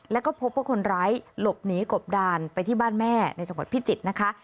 แล้วก็พบว่าคนร้ายหลบหนีกบดานไปที่บ้านแม่ในจังหวัดพิจิตรนะคะ